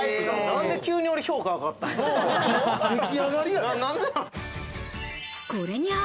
何で急に俺評価上がったん？